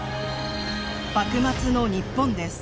幕末の日本です。